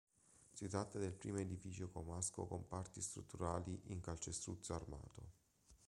Si tratta del primo edificio comasco con parti strutturali in calcestruzzo armato.